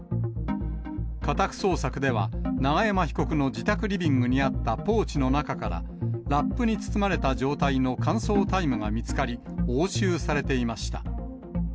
家宅捜索では、永山被告の自宅リビングにあったポーチの中から、ラップに包まれた状態の乾燥大麻が見つかり、押収されていました。